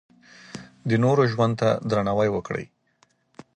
د نورو ژوند ته درناوی وکړئ.